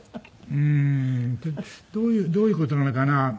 うーんどういうどういう事なのかな？